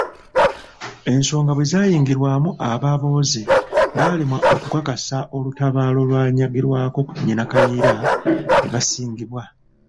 Ensonga bwe zaayingirwamu ababooze baalemwa okukakasa olutabaalo olwanyagirwako nnyina Kayiira, ne basingibwa.